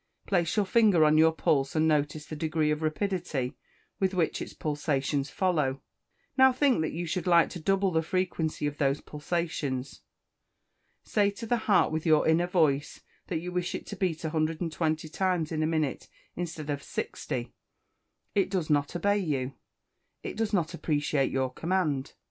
Place your finger upon your pulse, and notice the degree of rapidity with which its pulsations follow. Now think that you should like to double the frequency of those pulsations. Say to the heart, with your inner voice, that you wish it to beat 120 times in a minute, instead of 60. It does not obey you; it does not appreciate your command.